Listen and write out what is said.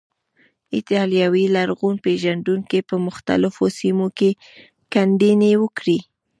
ایټالوي لرغون پیژندونکو په مختلفو سیمو کې کیندنې وکړې.